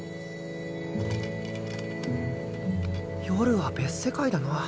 夜は別世界だな。